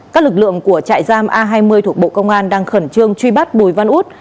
các lực lượng của trại giam a hai mươi thuộc bộ công an đang khẩn trương truy bắt bùi văn út